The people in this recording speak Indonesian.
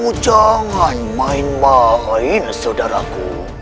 aku jangan main main saudaraku